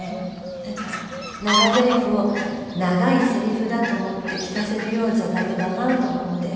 なんか長ゼリフを長いセリフだと思って聞かせるようじゃ駄目だなと思って。